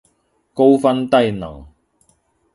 高分低能